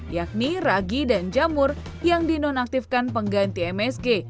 yakni ragi dan jamur yang dinonaktifkan pengganti msg